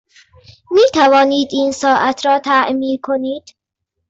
می توانید این ساعت را تعمیر کنید؟